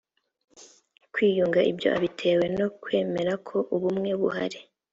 kwiyunga ibyo abitewe no kwemera ko ubumwe buhari